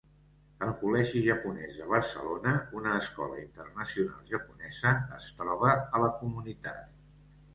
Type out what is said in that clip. El Col·legi Japonès de Barcelona, una escola internacional japonesa, es troba a la comunitat.